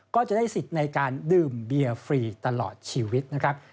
ก็จะได้สิทธิ์ในการดื่มเบียร์ฟรีตลอดชีวิตนะครับ